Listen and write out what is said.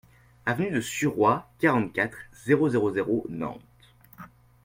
Avenue de Suroit, quarante-quatre, zéro zéro zéro Nantes